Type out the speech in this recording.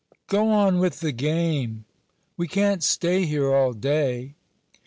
"Go on with the game!" "We can't stay here all day!"